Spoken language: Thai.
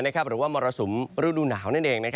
หรือว่ามรสุมฤดูหนาวนั่นเอง